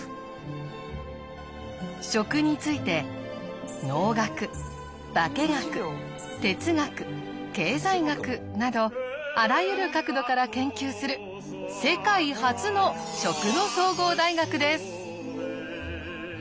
食について農学化学哲学経済学などあらゆる角度から研究する世界初の食の総合大学です。